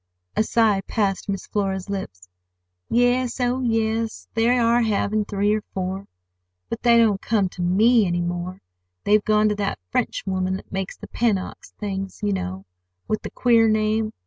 A sigh passed Miss Flora's lips. "Yes, oh, yes; they are having three or four. But they don't come to me any more. They've gone to that French woman that makes the Pennocks' things, you know, with the queer name.